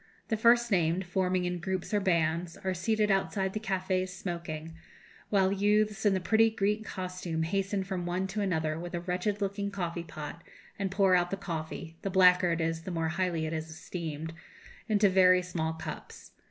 The first named, forming in groups or bands, are seated outside the cafés smoking, while youths in the pretty Greek costume hasten from one to another with a wretched looking coffee pot and pour out the coffee the blacker it is the more highly it is esteemed into very small cups.